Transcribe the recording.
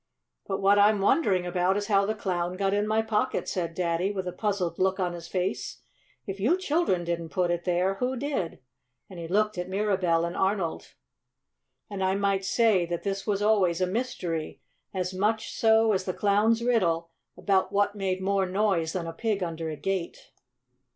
"But what I'm wondering about is how the Clown got in my pocket," said Daddy, with a puzzled look on his face. "If you children didn't put it there, who did?" and he looked at Mirabell and Arnold. And I might say that this was always a mystery, as much so as the Clown's riddle about what made more noise than a pig under a gate.